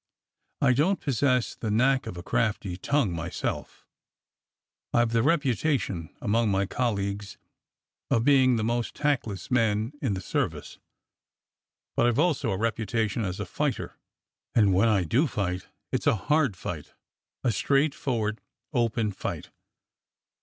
I don't possess the knack of a crafty tongue myself, I've the reputation among my colleagues of being the most tactless man in the service; but I've also a reputation as a fighter, and when I do fight, it's a hard fight — a straightforward, open fight.